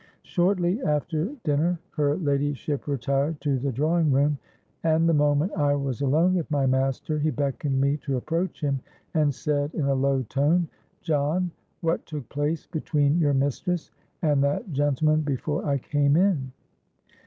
Shortly after dinner her ladyship retired to the drawing room; and the moment I was alone with my master, he beckoned me to approach him, and said in a low tone, 'John, what took place between your mistress and that gentleman before I came in?'